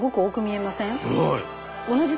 はい。